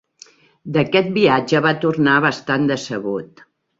D'aquest viatge va tornar bastant decebut.